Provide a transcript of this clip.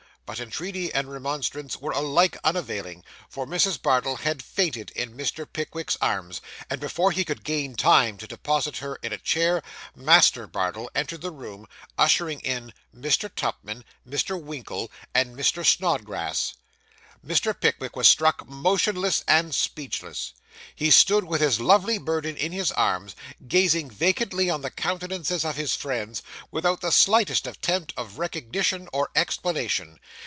But entreaty and remonstrance were alike unavailing; for Mrs. Bardell had fainted in Mr. Pickwick's arms; and before he could gain time to deposit her on a chair, Master Bardell entered the room, ushering in Mr. Tupman, Mr. Winkle, and Mr. Snodgrass. Mr. Pickwick was struck motionless and speechless. He stood with his lovely burden in his arms, gazing vacantly on the countenances of his friends, without the slightest attempt at recognition or explanation.